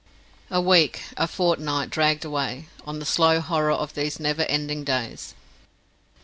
A week, a fortnight, dragged away. Oh, the slow horror of those never ending days!